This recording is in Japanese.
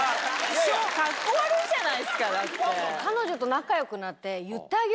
超カッコ悪いじゃないすかだって。